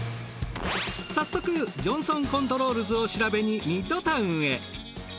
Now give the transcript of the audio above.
早速ジョンソンコントロールズを調べにミッドタウンへ。